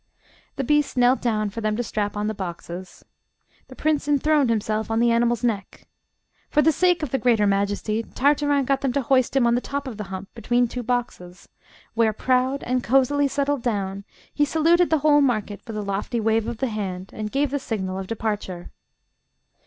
The beast knelt down for them to strap on the boxes. The prince enthroned himself on the animal's neck. For the sake of the greater majesty, Tartarin got them to hoist him on the top of the hump between two boxes, where, proud, and cosily settled down, he saluted the whole market with a lofty wave of the hand, and gave the signal of departure.